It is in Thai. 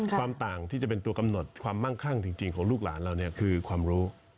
ความต่างที่จะเป็นตัวกำหนดความมั่งคั่งจริงของลูกหลานเราเนี่ยคือความรู้